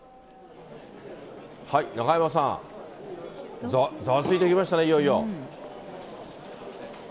中山さん、ざわついてきましたね、いよいよ。